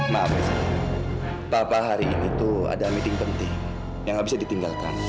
maaf zahira papa hari ini tuh ada meeting penting yang gak bisa ditinggalkan